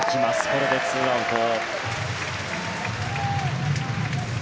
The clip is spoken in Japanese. これで２アウト。